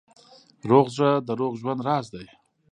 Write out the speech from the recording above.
روغ زړه د روغ ژوند راز دی.